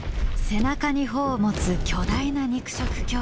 背中に帆を持つ巨大な肉食恐竜。